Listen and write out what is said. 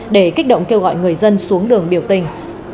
để kích động kêu gọi người dân xuống đường biểu tình